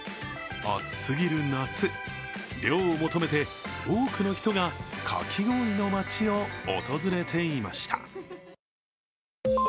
暑すぎる夏涼を求めて多くの人がかき氷の町を訪れていました。